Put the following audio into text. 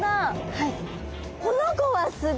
はい。